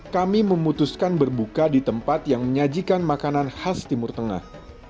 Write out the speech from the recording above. kami memutuskan berbuka di tempat yang menyajikan makanan khas timur tengah